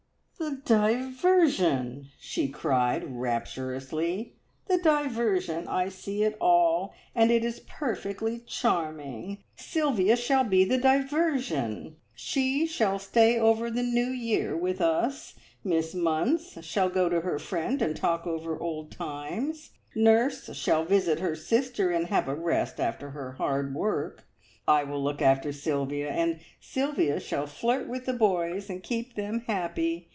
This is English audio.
"The Diversion," she cried rapturously "the Diversion! I see it all, and it is perfectly charming! Sylvia shall be the diversion! She shall stay over the New Year with us; Miss Munns shall go to her friend and talk over old times; nurse shall visit her sister and have a rest after her hard work; I will look after Sylvia, and Sylvia shall flirt with the boys, and keep them happy.